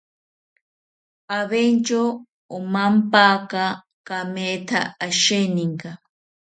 Aventyo omampaka kametha asheninka